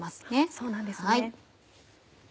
そうなんですね。